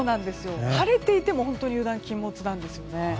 晴れていても本当に油断禁物なんですよね。